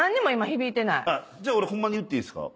じゃあ俺ホンマに言っていいですか？